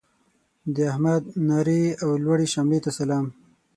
د احمد نرې او لوړې شملې ته سلام.